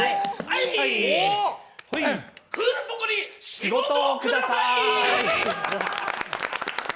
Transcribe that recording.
仕事をください！